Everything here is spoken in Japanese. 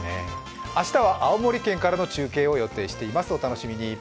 明日は青森県からの中継を予定しています、お楽しみに！